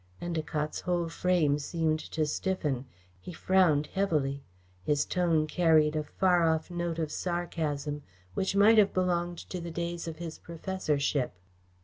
Endacott's whole frame seemed to stiffen. He frowned heavily. His tone carried a far off note of sarcasm, which might have belonged to the days of his professorship.